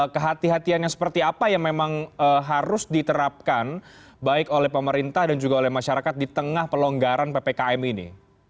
kehatian yang seperti apa yang memang harus diterapkan baik oleh pemerintah dan juga oleh masyarakat di tengah pelonggaran ppkm ini